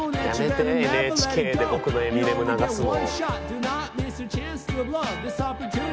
やめてＮＨＫで僕のエミネム流すの。